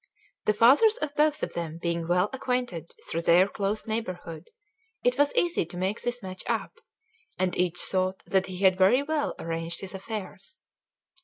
The fathers of both of them being well acquainted through their close neighbourhood, it was easy to make this match up; and each thought that he had very well arranged his affairs.